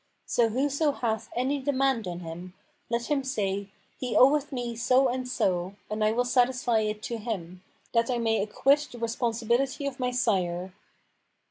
So whoso hath any demand on him, let him say, 'He oweth me so and so,' and I will satisfy it to him, that I may acquit the responsibility of my sire.